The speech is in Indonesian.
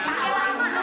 tidak jangan jangan